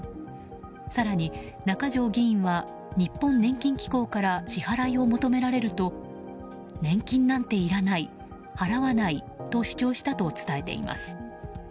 更に、中条議員は日本年金機構から支払いを求められると年金なんていらない払わないと主張したと伝えています。